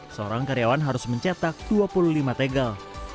seorang karyawan harus mencetak dua puluh lima tegel